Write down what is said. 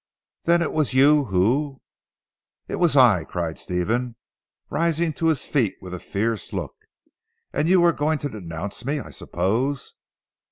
"Then it was you who? " "It was I," cried Stephen, rising to his feet with a fierce look, "and you are going to denounce me, I suppose!"